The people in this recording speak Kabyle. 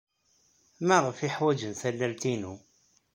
Maɣef ay ḥwajen tallalt-inu?